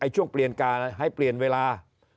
ช่วงเปลี่ยนการให้เปลี่ยนเวลา